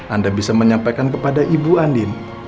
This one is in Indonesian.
anda bisa menyampaikan kepada ibu andin